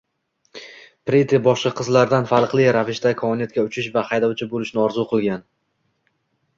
Priti boshqa qizlardan farqli ravishda koinotga uchish va haydovchi bo‘lishni orzu qilgan